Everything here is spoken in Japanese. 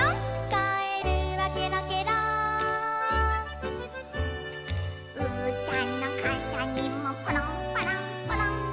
「カエルはケロケロ」「うーたんのかさにもポロンパランポロン」